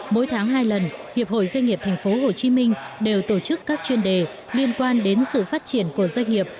mỗi tháng hai lần hiệp hội doanh nghiệp tp hcm đều tổ chức các chuyên đề liên quan đến sự phát triển của doanh nghiệp